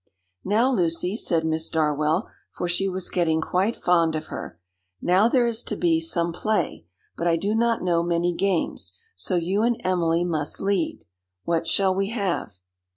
"Now, Lucy," said Miss Darwell, for she was getting quite fond of her, "now there is to be some play, but I do not know many games; so you and Emily must lead. What shall we have?"